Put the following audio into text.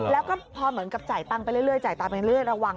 แล้วก็พอเหมือนกับจ่ายตังค์ไปเรื่อยจ่ายตังค์ไปเรื่อยระวัง